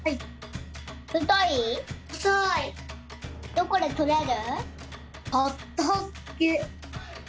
どこでとれる？